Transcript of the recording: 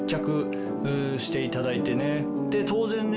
で当然ね。